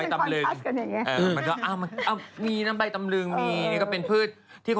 ทำไมมันคอนท้าสเกิดอย่างนี้